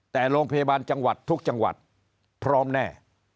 แต่โรงพยาบาลจังหวัดทุกจังหวัดพร้อมแน่